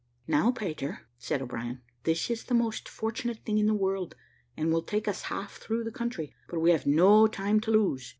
"Now, Peter," said O'Brien, "this is the most fortunate thing in the world, and will take us half through the country; but we have no time to lose."